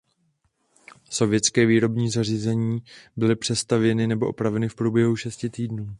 Sovětské výrobní zařízení byly přestavěny nebo opraveny v průběhu šesti týdnů.